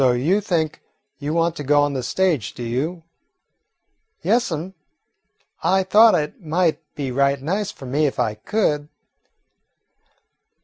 "So you think you want to go on the stage, do you?" "Yes, 'm, I thought it might be right nice for me if I could."